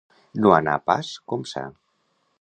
No anar pas com ça.